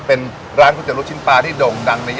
สวัสดีครับ